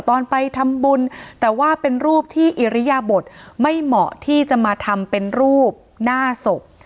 ตอนไปทำบุญแต่ว่าเป็นรูปที่อิริยบทไม่เหมาะที่จะมาทำเป็นรูปหน้าศพ